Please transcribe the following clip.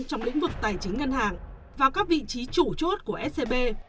trong lĩnh vực tài chính ngân hàng và các vị trí chủ chốt của scb